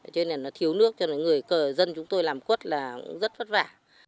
cho nên là nó thiếu nước cho nên người dân chúng tôi làm cốt là rất vất vả